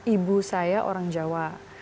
ibu saya orang jawa